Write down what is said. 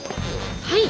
はい。